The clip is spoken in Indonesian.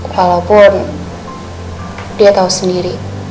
walaupun dia tahu sendiri